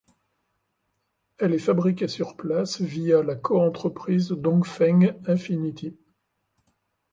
Elle est fabriquée sur place via la co-entreprise Dongfeng Infiniti.